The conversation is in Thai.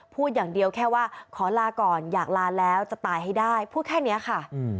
พูดอย่างเดียวแค่ว่าขอลาก่อนอยากลาแล้วจะตายให้ได้พูดแค่นี้ค่ะ